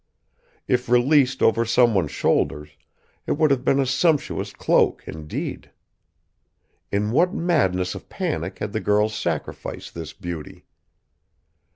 If released over someone's shoulders, it would have been a sumptuous cloak, indeed! In what madness of panic had the girl sacrificed this beauty?